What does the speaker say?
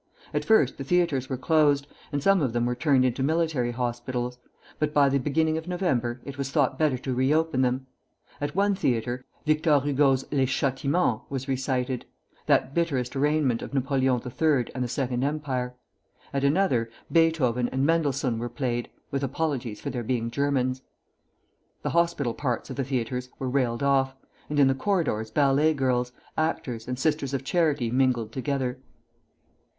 At first the theatres were closed, and some of them were turned into military hospitals; but by the beginning of November it was thought better to reopen them. At one theatre, Victor Hugo's "Les Châtiments" was recited, that bitterest arraignment of Napoleon III. and the Second Empire; at another, Beethoven and Mendelssohn were played, with apologies for their being Germans. The hospital parts of the theatres were railed off, and in the corridors ballet girls, actors, and sisters of charity mingled together.